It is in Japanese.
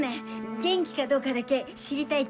元気かどうかだけ知りたいって。